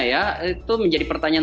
ya itu menjadi pertanyaan